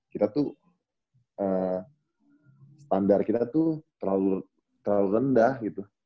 kita tuh standar kita tuh terlalu rendah gitu